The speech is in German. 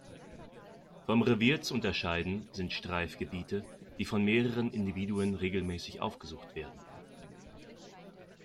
Vom Revier zu unterscheiden sind Streifgebiete, die von mehreren Individuen regelmäßig aufgesucht werden.